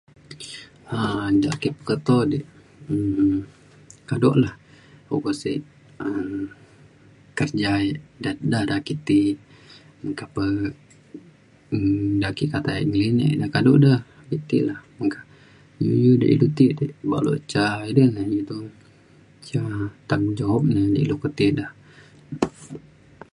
um ja ake peketo di um kado la uko sik um kerja ia’ da da ake ti meka pe um da kata ake ngelinek na kedo de ti la meka be ilu ida ti ca edai ne iu to ca tanggungjawan je ilu keti da